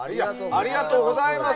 ありがとうございます。